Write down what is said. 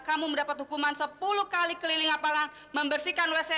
sepuluh kali keliling apalang membersihkan wc